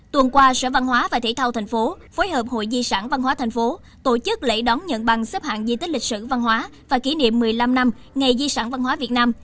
tuần qua sở văn hóa và thể thao tp hcm phối hợp hội di sản văn hóa thành phố tổ chức lễ đón nhận bằng xếp hạng di tích lịch sử văn hóa và kỷ niệm một mươi năm năm ngày di sản văn hóa việt nam